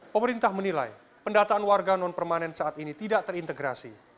pemerintah menilai pendataan warga non permanen saat ini tidak terintegrasi